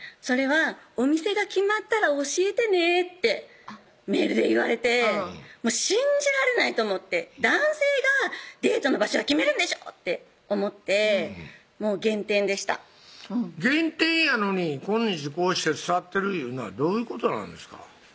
それは「お店が決まったら教えてね」ってメールで言われて信じられないと思って男性がデートの場所は決めるんでしょ！って思ってもう減点でした減点やのにこんにちこうして座ってるいうのはどういうことなんですか？